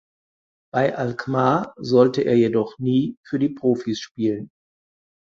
Bei Alkmaar sollte er jedoch nie für die Profis spielen.